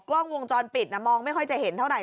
กล้องวงจรปิดมองไม่ค่อยจะเห็นเท่าไห